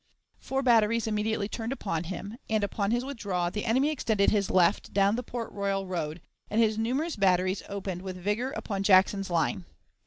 Four batteries immediately turned upon him, and, upon his withdrawal, the enemy extended his left down the Port Royal road, and his numerous batteries opened with vigor upon Jackson's line.